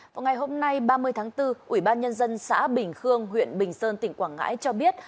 vào ngày hôm nay ba mươi tháng bốn ủy ban nhân dân xã bình khương huyện bình sơn tỉnh quảng ngãi cho biết